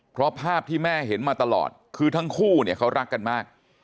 เพราะภาพที่แม่เห็นมาตลอดคือทั้งคู่เนี่ยเขารักกันมาก